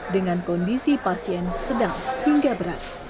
dengan kondisi pasien sedang hingga berat